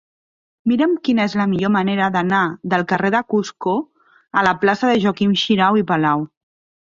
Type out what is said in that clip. Mira'm quina és la millor manera d'anar del carrer de Cusco a la plaça de Joaquim Xirau i Palau.